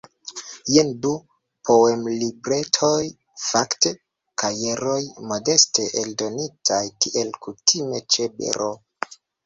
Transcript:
Jen du poemlibretoj, fakte kajeroj modeste eldonitaj, kiel kutime ĉe Bero.